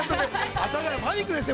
阿佐ヶ谷はパニックですね。